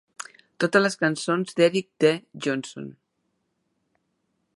Totes les cançons d'Eric D. Johnson.